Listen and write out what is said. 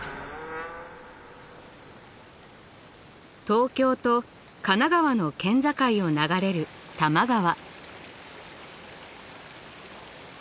東京と神奈川の県境を流れる多摩川。